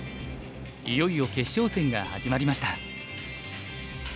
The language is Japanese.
いよいよ決勝戦が始まりました。